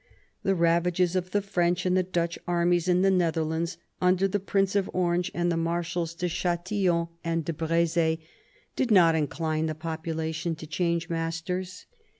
The ravages of the French and the Dutch armies in the Netherlands, under the Prince of Orange and. the Marshals de Chatillon and 2S6 CARDINAL DE RICHELIEU de Breze, did not incline the population to change masters.